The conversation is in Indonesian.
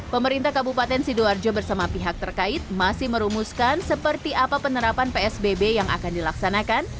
pemerintah kabupaten sidoarjo bersama pihak terkait masih merumuskan seperti apa penerapan psbb yang akan dilaksanakan